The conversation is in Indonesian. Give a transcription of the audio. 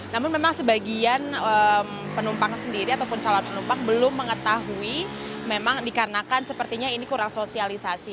namun memang sebagian penumpang sendiri ataupun calon penumpang belum mengetahui memang dikarenakan sepertinya ini kurang sosialisasi